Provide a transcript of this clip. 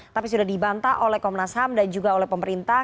tapi sudah dibantah oleh komnas ham dan juga oleh pemerintah